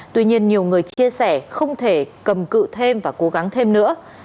tuy nhiên nhiều người chia sẻ không thể cầm cự thêm và cố gắng thêm nữa